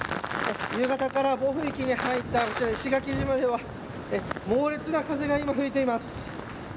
夕方から暴風域に入ったこちら、石垣島では猛烈な風が今、吹いています。